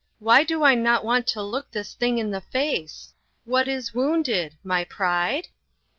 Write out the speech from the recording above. Why do I not want to look this LOST FRIENDS. 249 thing in the face ? What is wounded, my pride